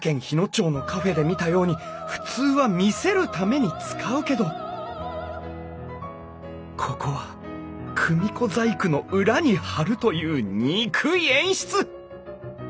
町のカフェで見たように普通は見せるために使うけどここは組子細工の裏に張るという憎い演出！